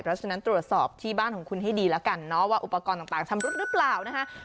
เพราะฉะนั้นตรวจสอบที่บ้านของคุณให้ดีแล้วกันเนาะว่าอุปกรณ์ต่างชำรุดหรือเปล่านะคะ